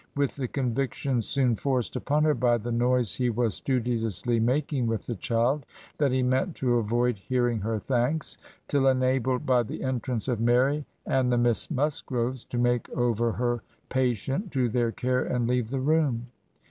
. with the conviction soon forced upon her by the noise he was studiously making with the child, that he meant to avoid hearing her thanks ... till enabled by the entrance of Mary and the Miss Musgroves to make over her patient to their care and leave the room.